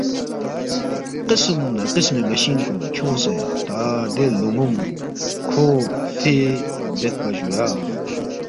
قسم نہ قسمی مشین کُن کھیونگسے تا دے لون٘ون کھو فے بیدپا جُویا